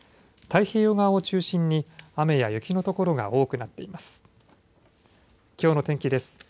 太平洋側を中心に雨や雪の所が多くなっています。